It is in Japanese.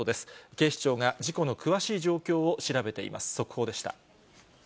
警視庁が事故の詳しい状況を調べています。